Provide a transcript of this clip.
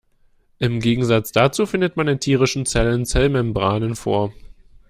Im Gegensatz dazu findet man in tierischen Zellen Zellmembranen vor.